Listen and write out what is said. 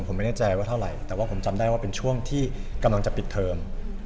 ผมไม่แน่ใจว่าเท่าไหร่แต่ว่าผมจำได้ว่าเป็นช่วงที่กำลังจะปิดเทอม